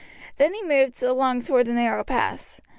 Then he moved along towards the narrow pass.